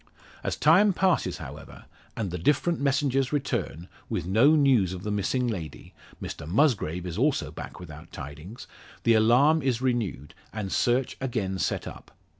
As time passes, however, and the different messengers return, with no news of the missing lady Mr Musgrave is also back without tidings the alarm is renewed, and search again set up.